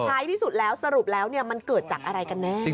ท้ายที่สุดแล้วสรุปแล้วมันเกิดจากอะไรกันแน่